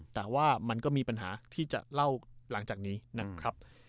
แต่ว่ามันก็มีปัญหาที่จะเล่าหลังจากนี้นะครับ